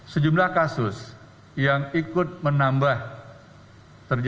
sejumlah kasus yang ikut menambah terjadi